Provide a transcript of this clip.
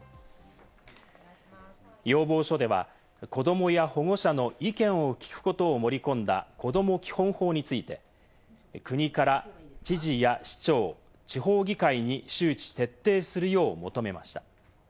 要望書では、子どもや保護者の意見を聞くことを盛り込んだこども基本法について、国から知事や市長、地方議会に周知徹底するよう求めました。